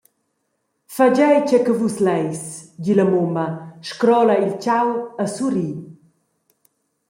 «Fagei tgei che vus leis», di la mumma, scrola il tgau e surri.